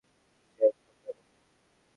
সে এক প্রতারক!